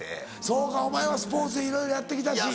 そうかお前はスポーツいろいろやって来たし。